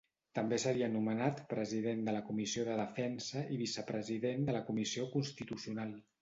També seria nomenat president de la Comissió de Defensa i vicepresident de la Comissió Constitucional.